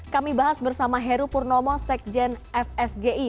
kami bahas bersama heru purnomo sekjen fsgi